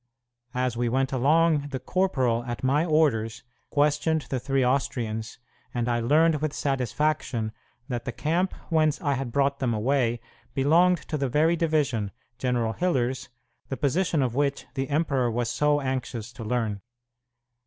As we went along, the corporal, at my orders, questioned the three Austrians, and I learned with satisfaction that the camp whence I had brought them away belonged to the very division, General Hiller's, the position of which the emperor was so anxious to learn.